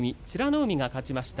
海が勝ちました。